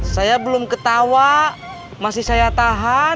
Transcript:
saya belum ketawa masih saya tahan